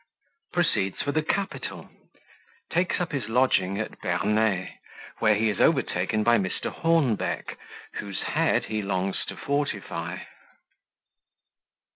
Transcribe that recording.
Proceeds for the Capital Takes up his Lodging at Bernay, where he is overtaken by Mr. Hornbeck, whose Head he longs to fortify.